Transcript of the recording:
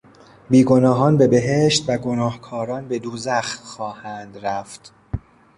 بیگناهان به بهشت و گناهکاران به دوزخ خواهند رفت.